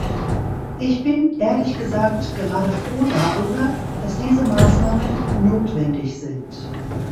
Ich bin, ehrlich gesagt, gerade froh darüber, dass diese Maßnahmen notwendig sind.